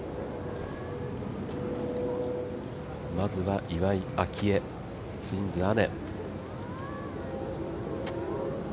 まずは岩井明愛、ツインズ姉。